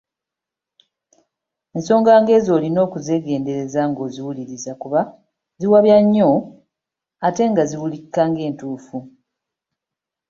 Ensonga ng’ezo olina okuzeegendereza ng’owuliriza kuba ziwabya nnyo ate nga ziwulikika ng’entuufu.